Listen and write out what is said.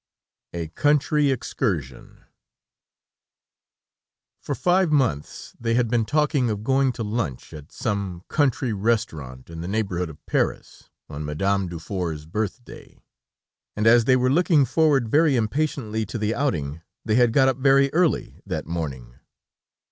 A COUNTRY EXCURSION For five months they had been talking of going to lunch at some country restaurant in the neighborhood of Paris, on Madame Dufour's birthday, and as they were looking forward very impatiently to the outing, they had got up very early that morning.